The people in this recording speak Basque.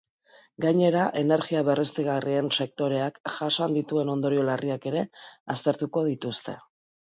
Gainera, energia berriztagarrien sektoreak jasan dituen ondorio larriak ere aztertuko dituzte.